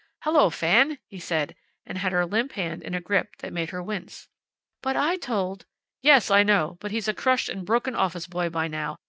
"Hello, Fan!" he said, and had her limp hand in a grip that made her wince. "But I told " "Yes, I know. But he's a crushed and broken office boy by now.